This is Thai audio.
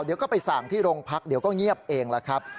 เดี๋ยวก็ไปสั่งที่โรงพักเดี๋ยวก็เงียบเองล่ะครับ